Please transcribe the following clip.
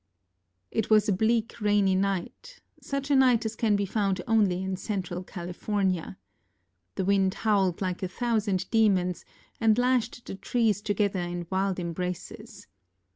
It was a bleak, rainy night such a night as can be found only in central California. The wind howled like a thousand demons, and lashed the trees together in wild embraces.